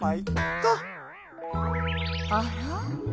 あら？